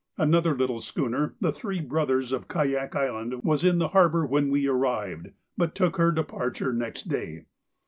Another little schooner, the 'Three Brothers,' of Kayak Island, was in the harbour when we arrived, but took her departure next day.